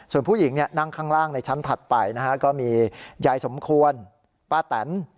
ส่วนผู้หญิงนั่งข้างล่างในชั้นถัดไปนะฮะก็มียายสมควรป้าแตน